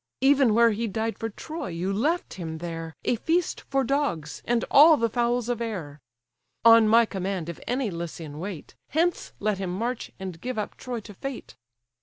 Even where he died for Troy, you left him there, A feast for dogs, and all the fowls of air. On my command if any Lycian wait, Hence let him march, and give up Troy to fate.